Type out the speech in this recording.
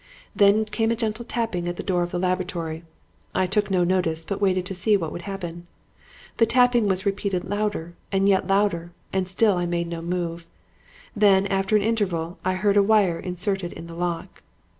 Then came a gentle tapping at the door of the laboratory. I took no notice, but waited to see what would happen. The tapping was repeated louder and yet louder, and still I made no move. Then, after an interval, I heard a wire inserted in the lock.